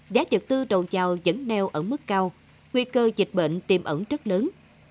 giá trực tư đồn chào vẫn neo ở mức cao nguy cơ dịch bệnh tiềm ẩn rất lớn